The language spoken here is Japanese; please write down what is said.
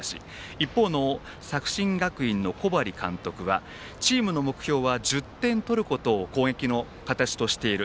一方の作新学院の小針監督はチームの目標は１０点取ることを攻撃の形としている。